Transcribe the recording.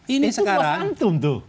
itu dua santun tuh